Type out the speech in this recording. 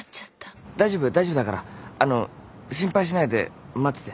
大丈夫大丈夫だからあの心配しないで待ってて。